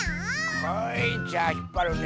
はいじゃあひっぱるね。